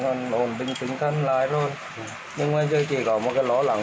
sau nhiều nỗ lực lực lượng cứu hộ mũi đường sông cũng đã đến được rào trăng ba